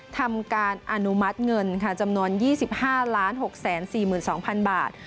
ทำการอนุมัติเงินค่ะจำนวน๒๕๖๔๒๐๐๐บาท